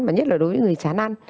và nhất là đối với người chán ăn